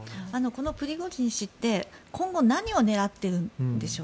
プリゴジン氏って今後、何を狙ってるんでしょう。